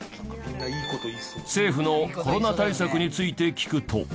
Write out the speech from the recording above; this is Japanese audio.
政府のコロナ対策について聞くと。